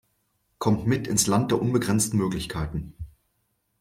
Kommt mit ins Land der unbegrenzten Möglichkeiten!